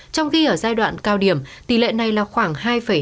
trong khi ở giai đoạn cao điểm tỷ lệ này là khoảng hai hai